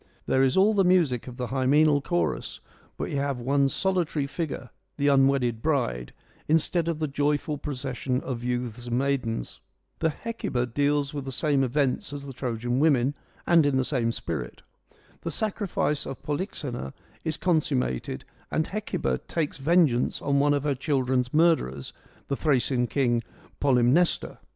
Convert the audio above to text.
There is all the music of the hymeneal chorus, but we have one solitary figure — the unwedded bride — instead of the joyful procession of youths and maidens. The Hecuba deals with the same events as the Trojan Women and in the same spirit. The sacrifice of Polyxena is consummated and Hecuba takes vengeance on one of her children's murderers, the Thracian king Polymnestor.